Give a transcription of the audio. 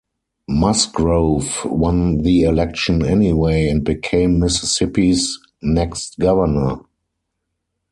Musgrove won the election anyway and became Mississippi's next Governor.